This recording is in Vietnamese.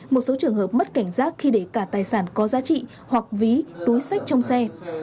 một số trường hợp mất cảnh giác khi để cả tài sản có giá trị hoặc ví túi sách trong xe